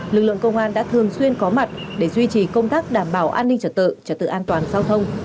lực lượng công an đã thường xuyên có mặt để duy trì công tác đảm bảo an ninh trật tự trật tự an toàn giao thông